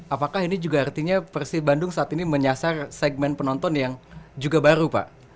apakah ini juga artinya persib bandung saat ini menyasar segmen penonton yang juga baru pak